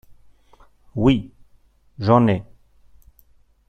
Oui. J’en ai.